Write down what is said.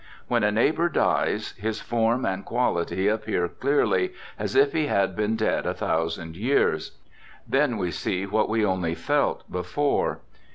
When a neighbor dies, his form and quality appear clearly, as if he had been dead a thousand years. Then we see what we only felt before.